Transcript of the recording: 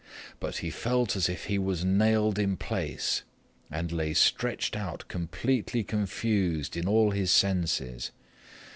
But he felt as if he was nailed in place and lay stretched out completely confused in all his senses.